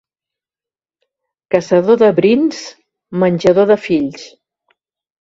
Caçador de brins, menjador de fills.